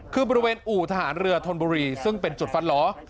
คือบริเวณอู่ทหารเรือธนบุรีซึ่งเป็นจุดฟันล้อ